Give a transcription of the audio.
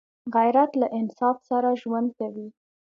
غیرت له انصاف سره ژوند کوي